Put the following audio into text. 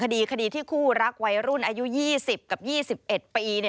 คดีคดีที่คู่รักวัยรุ่นอายุ๒๐กับ๒๑ปี